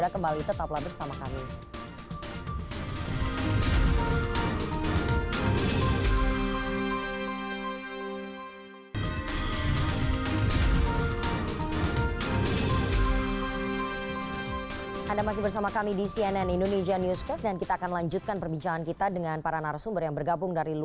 kembali tetap lagi bersama kami